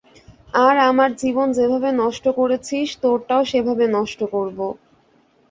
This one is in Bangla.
আর আমার জীবন যেভাবে নষ্ট করেছিস তোরটাও সেভাবে নষ্ট করবো।